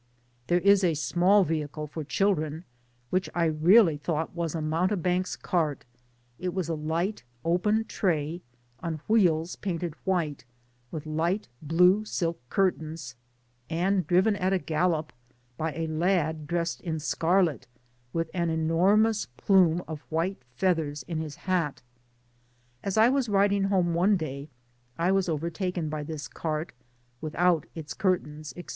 There is a small vehicle for children, which I positively thought wag a mountebanks cart ; it was a light open tray, on wheels painted whit^ with light blue silk curtains, and driven at a gallop by a lad dressed in scarlet, with an enormous plume of white feathers in his hat. As I was riding home one day, I was over taken by this cart, (without its curtains, &c.)